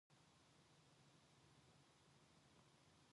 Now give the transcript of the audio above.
첫째도 일어나서 이서방의 손에 끌리어 건넌방으로 나왔다.